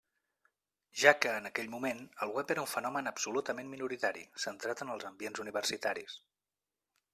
Ja que en aquell moment el web era un fenomen absolutament minoritari, centrat en els ambients universitaris.